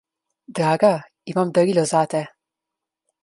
Draga, imam darilo zate.